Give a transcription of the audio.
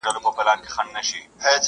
چي به خبره د پښتو چي د غیرت به سوله،